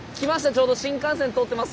ちょうど新幹線通ってます。